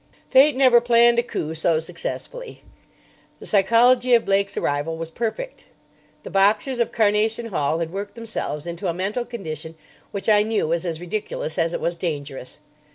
Fate never planned a coup so successfully. The psychology of Blake's arrival was perfect. The boxers of Carnation Hall had worked themselves into a mental condition which I knew was as ridiculous as it was dangerous.